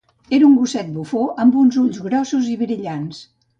Era un gosset bufó, amb uns ulls grossos i brillants.